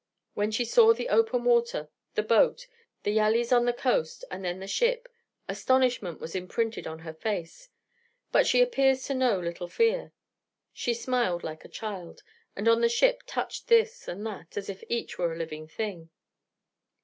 When she saw the open water, the boat, the yalis on the coast, and then the ship, astonishment was imprinted on her face. But she appears to know little fear. She smiled like a child, and on the ship touched this and that, as if each were a living thing.